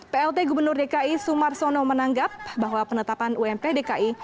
plt gubernur dki sumarsono menanggap bahwa penetapan ump dki